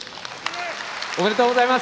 おめでとうございます。